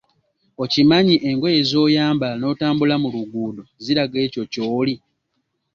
Okimanyi engoye z‘oyambala n‘otambula mu luguudo ziraga ekyo ky‘oli?